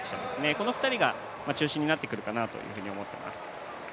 この２人が中心になってくるかなというふうに思っています。